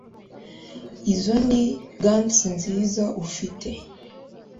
Izo ni gants nziza ufite